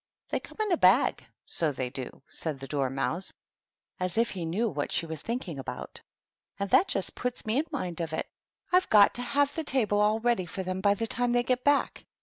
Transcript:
"They come in a bag, so they do," said the Dormouse, as if he knew what she was thinking about ;" and that just puts me in mind of it, — I've got to have the table all ready for them by the time they get back."